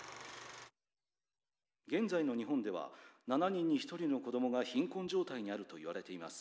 「現在の日本では７人に１人の子供が貧困状態にあるといわれています。